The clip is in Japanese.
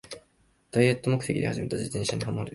ダイエット目的で始めた自転車にハマる